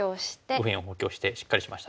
右辺を補強してしっかりしましたね。